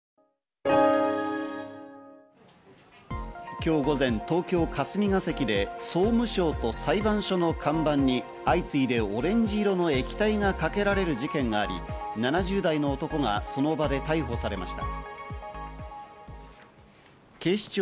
今日午前、東京・霞が関で総務省と裁判所の看板に相次いでオレンジ色の液体がかけられる事件があり７０代の男がその場で逮捕されました。